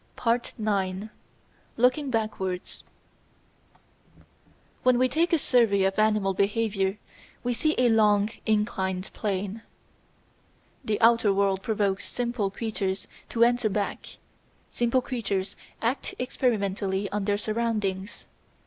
§ 9 Looking Backwards When we take a survey of animal behaviour we see a long inclined plane. The outer world provokes simple creatures to answer back; simple creatures act experimentally on their surroundings.